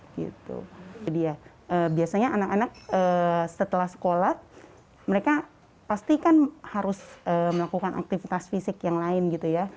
gitu ya biasanya anak anak setelah sekolah mereka pasti kan harus melakukan aktivitas fisik yang lain gitu ya